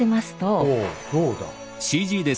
どうだ？